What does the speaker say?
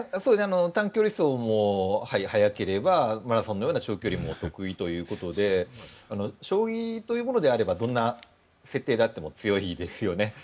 短距離走も速ければマラソンのような長距離も得意ということで将棋というものであればどんな設定であっても強いですよね。